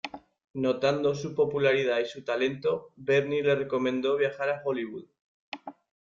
Notando su popularidad y su talento, Bernie le recomendó viajar a Hollywood.